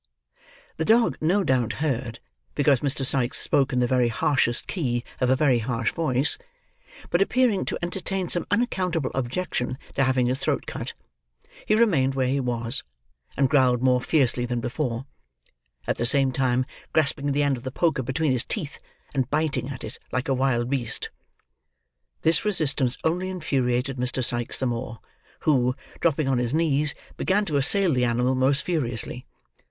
The dog no doubt heard; because Mr. Sikes spoke in the very harshest key of a very harsh voice; but, appearing to entertain some unaccountable objection to having his throat cut, he remained where he was, and growled more fiercely than before: at the same time grasping the end of the poker between his teeth, and biting at it like a wild beast. This resistance only infuriated Mr. Sikes the more; who, dropping on his knees, began to assail the animal most furiously.